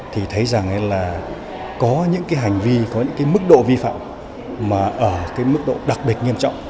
thì thấy rằng là có những cái hành vi có những cái mức độ vi phạm mà ở cái mức độ đặc biệt nghiêm trọng